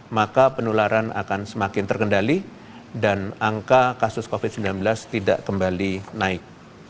maka penularan akan semakin terkendali dan angka kasus covid sembilan belas tidak kembali naik